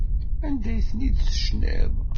Anda ay ten-id-tecniḍ?